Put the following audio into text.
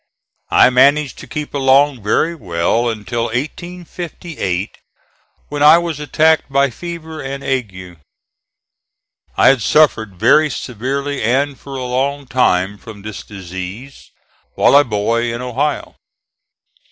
I managed to keep along very well until 1858, when I was attacked by fever and ague. I had suffered very severely and for a long time from this disease, while a boy in Ohio.